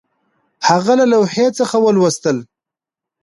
هغه له لوحې څخه ولوستل